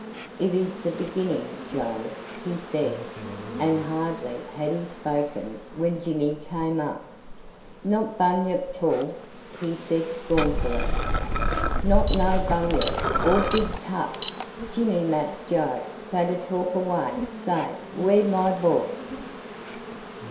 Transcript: "It is the beginning, Joe," he said; and hardly had he spoken when Jimmy came up. "Not bunyip 'tall!" he said scornfully. "Not no bunyip; all big 'tuff! Jimmy, Mass Joe fader talk away, say, `where my boy?'"